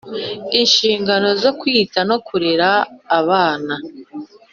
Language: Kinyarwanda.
Inshingano zo kwita no kurera abana